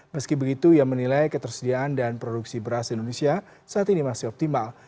meski begitu ia menilai ketersediaan dan produksi beras di indonesia saat ini masih optimal